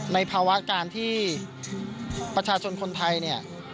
ในภาวะการที่ประชาชนคนไทย